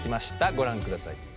ご覧ください。